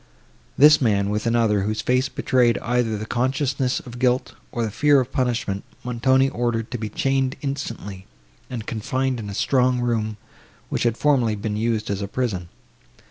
This man, with another, whose face betrayed either the consciousness of guilt, or the fear of punishment, Montoni ordered to be chained instantly, and confined in a strong room, which had formerly been used as a prison.